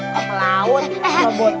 kapal laut robot